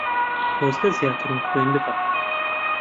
خۆزگە زیاترم خوێندبا.